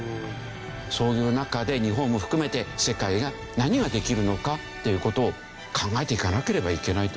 そういう中で日本も含めて世界が何ができるのかっていう事を考えていかなければいけないって事ですよね。